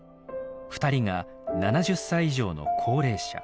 ２人が７０歳以上の高齢者。